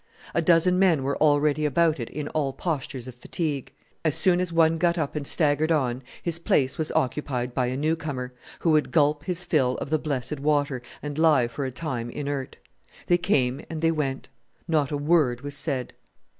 A dozen men were already about it in all postures of fatigue. As soon as one got up and staggered on his place was occupied by a new comer, who would gulp his fill of the blessed water and lie for a time inert. They came and they went. Not a word was said.